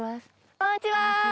こんにちは。